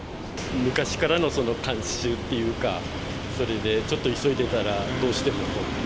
昔からの慣習っていうか、それでちょっと急いでたらどうしてもね。